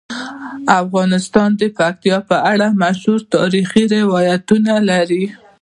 افغانستان د پکتیا په اړه مشهور تاریخی روایتونه لري.